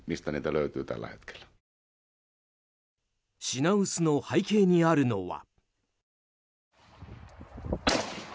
品薄の背景にあるのは。